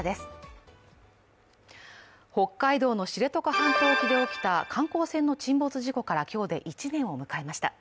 北海道の知床半島沖で起きた観光船の沈没事故から今日で１年を迎えました。